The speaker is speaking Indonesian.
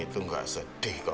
kamu itu gak sedih kok